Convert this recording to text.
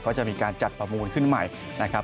ก็จะมีการจัดประมูลขึ้นใหม่นะครับ